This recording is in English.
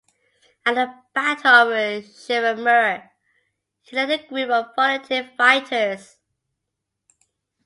At the Battle of Sheriffmuir, he led a group of volunteer fighters.